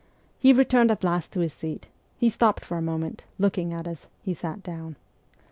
He returned at last to his seat ; he stopped for a moment, looking at us, he sat down. .